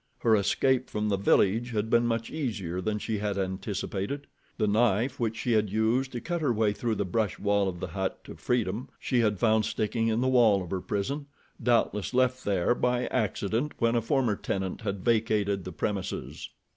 Her escape from the village had been much easier than she had anticipated. The knife which she had used to cut her way through the brush wall of the hut to freedom she had found sticking in the wall of her prison, doubtless left there by accident when a former tenant had vacated the premises.